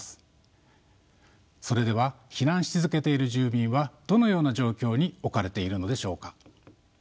それでは避難し続けている住民はどのような状況に置かれているのでしょうか？